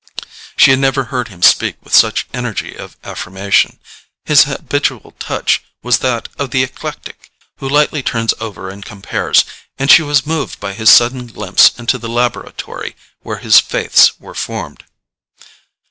She had never heard him speak with such energy of affirmation. His habitual touch was that of the eclectic, who lightly turns over and compares; and she was moved by this sudden glimpse into the laboratory where his faiths were formed.